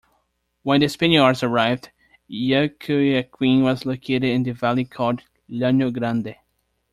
When the Spaniards arrived, Yucuaiquín was located in a valley called "Llano Grande".